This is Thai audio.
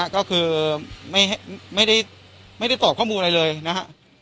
ก็คือไม่ได้ตอบข้อมูลอะไรเลยนะฮะ